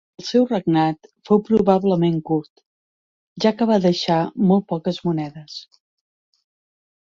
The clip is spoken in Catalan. El seu regnat fou probablement curt, ja que va deixar molt poques monedes.